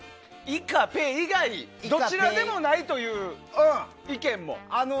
イかペ以外どちらでもないという意見も？